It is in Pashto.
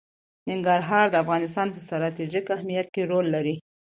ننګرهار د افغانستان په ستراتیژیک اهمیت کې رول لري.